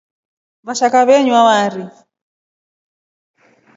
Washaka wenywa wari.